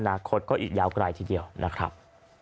นาคตก็อีกยาวไกลทีเดียวนะครับ